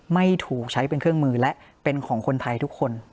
ไม่ถูกใช้เป็นเครื่องมือและเป็นของคนไทยทุกคน